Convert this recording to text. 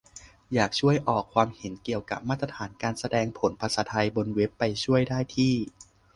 อยากช่วยออกความเห็นเกี่ยวกับมาตรฐานการแสดงผลภาษาไทยบนเว็บ ไปช่วยได้ที่